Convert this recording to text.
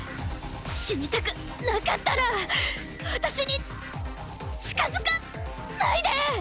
死にたくなかったら私に近づかないで！